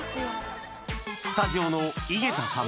スタジオの井桁さん